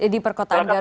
di perkotaan garut